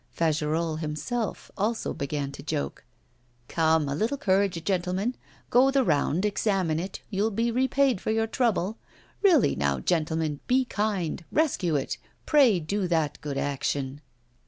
Fagerolles himself also began to joke. 'Come, a little courage, gentlemen; go the round, examine it, you'll be repaid for your trouble. Really now, gentlemen, be kind, rescue it; pray do that good action!